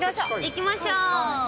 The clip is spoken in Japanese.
行きましょう。